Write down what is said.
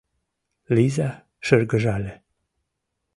Лиза шыргыжале.